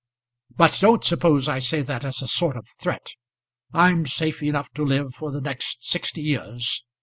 But don't suppose I say that as a sort of threat. I'm safe enough to live for the next sixty years.